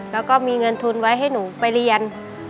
แล้วก็มีเงินทุนไว้ให้หนูไปเรียน